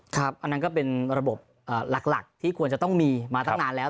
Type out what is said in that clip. อันนั้นก็เป็นระบบหลักที่ควรจะต้องมีมาตั้งนานแล้ว